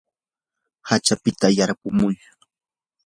hachapita yarpumuy.